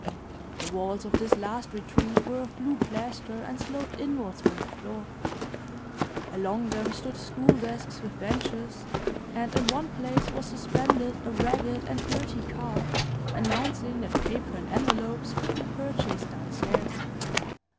The walls of this last retreat were of blue plaster and sloped inwards from the floor; along them stood school desks with benches, and in one place was suspended a ragged and dirty card announcing that paper and envelopes could be purchased downstairs.